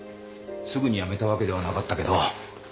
すぐに辞めたわけではなかったけど。